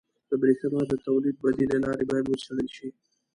• د برېښنا د تولید بدیلې لارې باید وڅېړل شي.